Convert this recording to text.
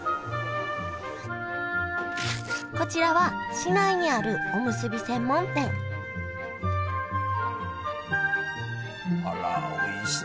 こちらは市内にあるおむすび専門店あらおいしそう。